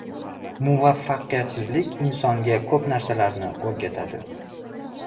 • Muvaffaqiyatsizlik insonga ko‘p narsalarni o‘rgatadi.